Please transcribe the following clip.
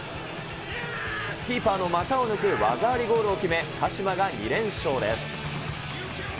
キーパーの股を抜く技ありゴールを決め、鹿島が２連勝です。